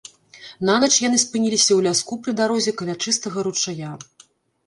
Нанач яны спыніліся ў ляску пры дарозе каля чыстага ручая.